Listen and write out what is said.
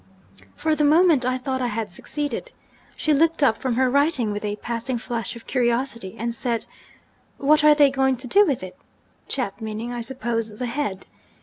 For the moment I thought I had succeeded. She looked up from her writing with a passing flash of curiosity, and said, "What are they going to do with it?" meaning, I suppose, the head.